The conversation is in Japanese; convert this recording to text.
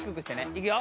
いくよ。